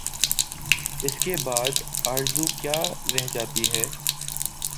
اس کے بعد اور آرزو کیا رہ جاتی ہے؟